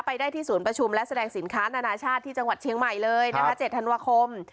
ได้ที่ศูนย์ประชุมและแสดงสินค้านานาชาติที่จังหวัดเชียงใหม่เลยนะคะ๗ธันวาคม